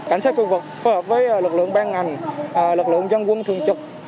cảnh sát khu vực phối hợp với lực lượng ban ngành lực lượng dân quân thường trực